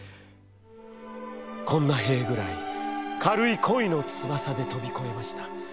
「こんな塀ぐらい軽い恋の翼で飛びこえました。